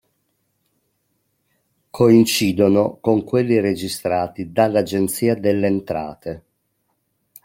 Coincidono con quelli registrati dall'Agenzia delle Entrate.